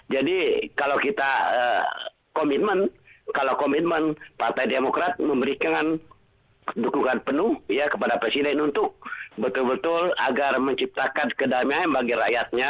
jadi kalau kita komitmen kalau komitmen partai demokrat memberikan dukungan penuh ya kepada presiden untuk betul betul agar menciptakan kedamaian bagi rakyatnya